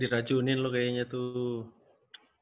diracunin lu kayaknya tuh